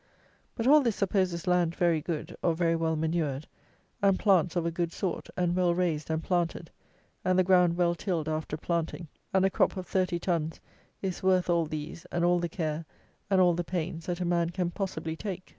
But all this supposes land very good, or, very well manured, and plants of a good sort, and well raised and planted, and the ground well tilled after planting; and a crop of 30 tons is worth all these and all the care and all the pains that a man can possibly take.